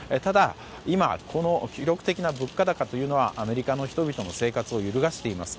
今、この記録的な物価高はアメリカの人々の生活を揺るがしています。